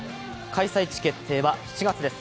開催地決定は７月です。